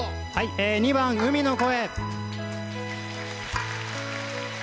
２番「海の声」。